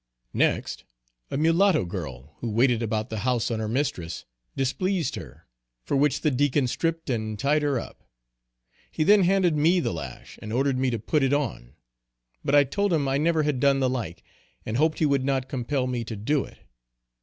Next a mulatto girl who waited about the house, on her mistress, displeased her, for which the Deacon stripped and tied her up. He then handed me the lash and ordered me to put it on but I told him I never had done the like, and hoped he would not compel me to do it.